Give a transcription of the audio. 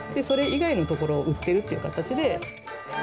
それ以外のところを売っているという形で。